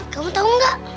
kamu tau gak